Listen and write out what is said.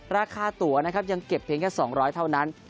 ราคาตัวนะครับยังเก็บเพียงแค่๒๐๐เท่านั้น